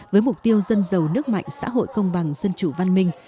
với mục tiêu dân giàu nước mạnh xã hội công bằng dân chủ văn minh